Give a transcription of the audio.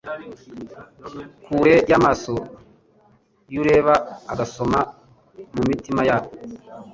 kure y'amaso y'ureba agasoma mu mitima yabo.